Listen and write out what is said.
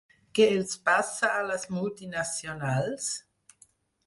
Què els passa a les multinacionals?